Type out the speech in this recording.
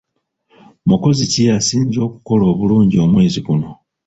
Mukozi ki asinze okukola obulungi omwezi guno?